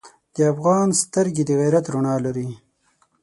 د افغان سترګې د غیرت رڼا لري.